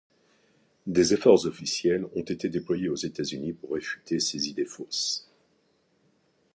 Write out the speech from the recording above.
Des efforts officiels ont été déployés aux États-Unis pour réfuter ces idées fausses.